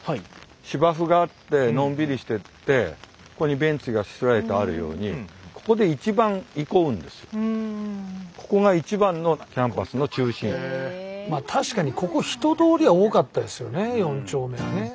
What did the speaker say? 芝生があってのんびりしててここにベンチがしつらえてあるように確かにここ人通りは多かったですよね四丁目はね。